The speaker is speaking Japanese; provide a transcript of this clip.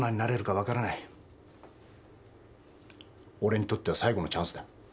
俺にとっては最後のチャンスだ。